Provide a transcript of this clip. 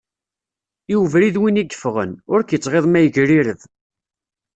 I ubrid win i yeffɣen, ur k-yettɣiḍ ma yegrireb.